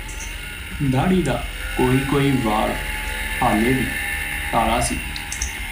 ਦਾੜ੍ਹੀ ਦਾ ਕੋਈਕੋਈ ਵਾਲ ਹਾਲੇ ਵੀ ਕਾਲਾ ਸੀ